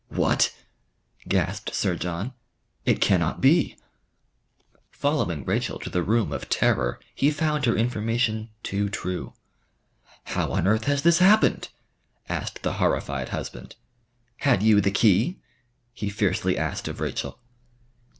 "What!" gasped Sir John. "It cannot be!" Following Rachel to the room of terror he found her information too true. "How on earth has this happened?" asked the horrified husband. "Had you the key?" he fiercely asked of Rachel.